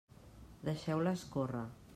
Deixeu-la escórrer.